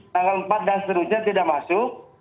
tempat dan seterusnya tidak masuk